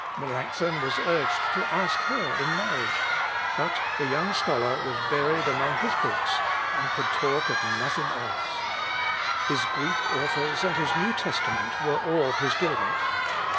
Melancthon was urged to ask her in marriage; but the young scholar was buried among his books, and could talk of nothing else. His Greek authors and his New Testament were all his delight.